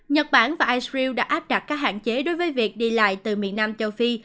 nhật bản và irew đã áp đặt các hạn chế đối với việc đi lại từ miền nam châu phi